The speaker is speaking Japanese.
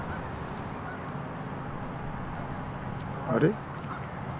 あれ？